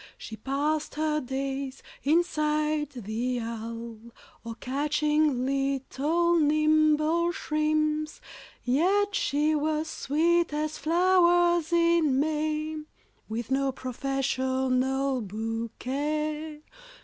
She passed her days inside the Halle, Or catching little nimble shrimps. Yet she was sweet as flowers in May, With no professional bouquet.